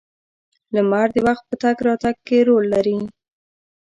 • لمر د وخت په تګ راتګ کې رول لري.